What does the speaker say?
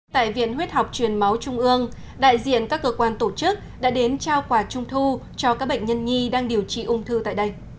tại viện huyết học truyền máu trung ương đại diện các cơ quan tổ chức đã đến trao quà trung thu cho các bệnh nhân nhi đang điều trị ung thư tại đây